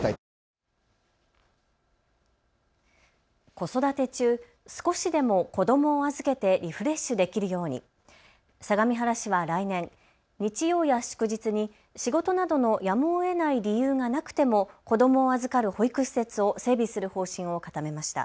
子育て中、少しでも子どもを預けてリフレッシュできるように相模原市は来年、日曜や祝日に仕事などのやむをえない理由がなくても子どもを預かる保育施設を整備する方針を固めました。